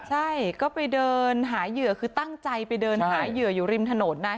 ใช่ก็ไปเดินหาเหยื่อคือตั้งใจไปเดินหาเหยื่ออยู่ริมถนนนะ